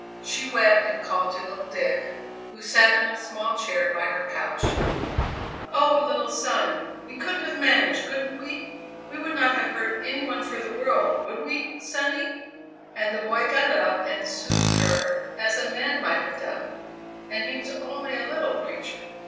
She wept and called to little Dick, who sat in a small chair by her couch: "'Oh! little son, we could have managed, couldn't we? We would not have hurt any one for the world, would we, sonny?' And the boy got up and soothed her as a man might have done, and he was only a little creature.